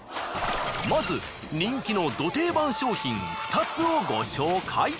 まず人気のド定番商品２つをご紹介。